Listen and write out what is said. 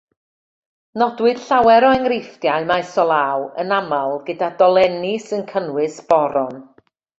Nodwyd llawer o enghreifftiau maes o law, yn aml gyda dolenni sy'n cynnwys boron.